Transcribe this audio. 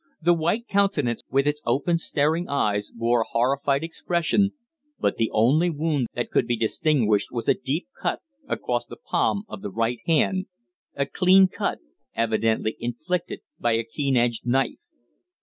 The white countenance, with its open, staring eyes, bore a horrified expression, but the only wound that could be distinguished was a deep cut across the palm of the right hand, a clean cut, evidently inflicted by a keen edged knife.